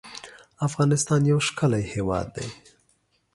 افغانستان يو ښکلی هېواد دی